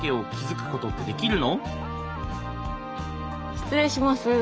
失礼します。